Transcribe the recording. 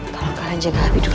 tolong kalian jaga abi dulu